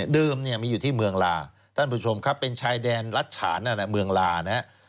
เนี่ยมีอยู่ที่เมืองลาท่านผู้ชมครับเป็นชายแดนรัฐฉานนั่นเมืองลานะฮะ